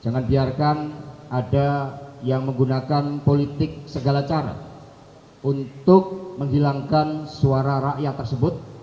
jangan biarkan ada yang menggunakan politik segala cara untuk menghilangkan suara rakyat tersebut